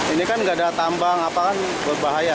ini kan enggak ada tambang apaan berbahaya